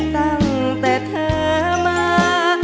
ตั้งแต่เธอมา